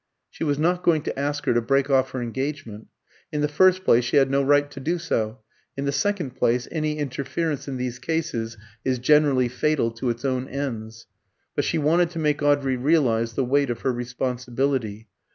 She was not going to ask her to break off her engagement. In the first place, she had no right to do so; in the second place, any interference in these cases is generally fatal to its own ends. But she wanted to make Audrey realise the weight of her responsibility.